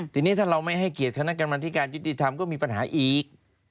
ทีนี้ถ้าเราไม่ให้เกียรติคณะกรรมธิการยุติธรรมก็มีปัญหาอีก